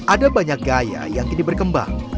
ada banyak gaya yang kini berkembang